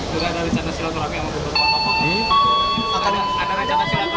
sudah ada rencana silaturahmi yang masih apa pak